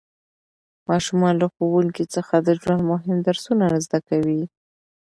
ماشومان له ښوونکي څخه د ژوند مهم درسونه زده کوي